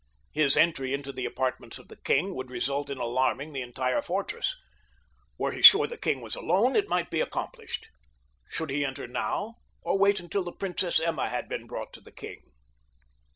His entry into the apartments of the king would result in alarming the entire fortress. Were he sure the king was alone it might be accomplished. Should he enter now or wait until the Princess Emma had been brought to the king?